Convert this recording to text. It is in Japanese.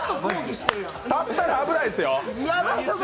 立ったら危ないんですよ！